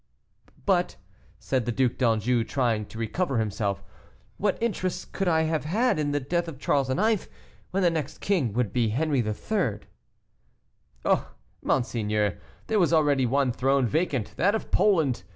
"But," said the Duc d'Anjou, trying to recover himself, "what interest could I have had in the death of Charles IX., when the next king would be Henri III.?" "Oh! monseigneur, there was already one throne vacant, that of Poland.